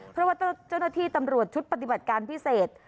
เพราะว่าเจ้าหน้าที่ตำรวจชุดปฏิบัติการพิเศษ